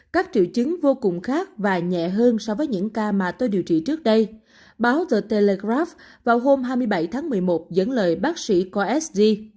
các triệu chứng vô cùng khác và nhẹ hơn so với những ca mà tôi điều trị trước đây báo the telegraph vào hôm hai mươi bảy tháng một mươi một dẫn lời bác sĩ khoa s d